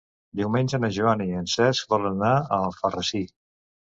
Diumenge na Joana i en Cesc volen anar a Alfarrasí.